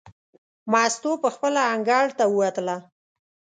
مستو پخپله انګړ ته ووتله.